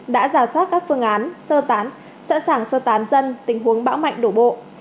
đã giả soát các phương án sơ tán sẵn sàng sơ tán dân tình huống bão mạnh đổ bộ